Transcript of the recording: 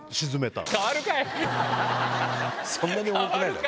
そんなに重くないだろ！